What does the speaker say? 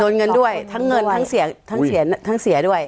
ด้อนเงินด้วยทั้งเงินทั้งเสียด้วย